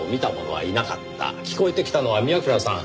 聞こえてきたのは宮倉さん